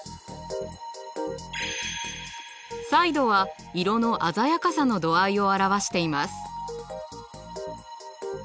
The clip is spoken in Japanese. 彩度は色の鮮やかさの度合いを表しています。